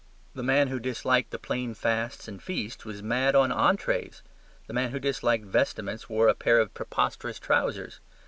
The man who disliked the plain fasts and feasts was mad on entrees. The man who disliked vestments wore a pair of preposterous trousers.